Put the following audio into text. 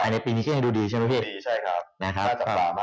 ในปีนี้ขึ้นให้ดีหรอพี่